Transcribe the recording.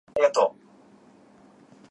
わああああ